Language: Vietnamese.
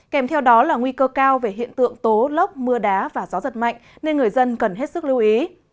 kèm theo đó là nguy cơ cao về hiện tượng tố lốc mưa đá và gió giật mạnh nên người dân cần hết sức lưu ý